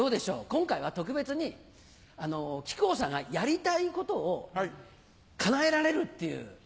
今回は特別に木久扇さんがやりたいことをかなえられるっていう。